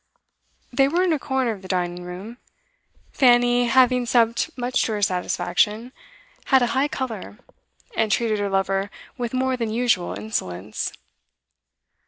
They were in a corner of the dining room. Fanny, having supped much to her satisfaction, had a high colour, and treated her lover with more than usual insolence.